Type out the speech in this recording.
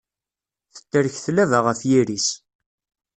Tetrek tlaba ɣef yiri-s.